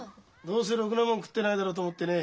どうせろくなもん食ってないだろうと思ってね